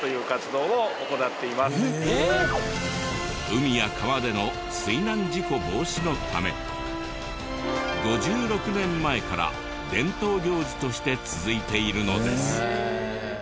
海や川での水難事故防止のため５６年前から伝統行事として続いているのです。